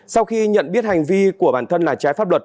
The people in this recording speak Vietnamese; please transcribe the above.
sau khi nhận biết hành vi của bản thân là trái pháp luật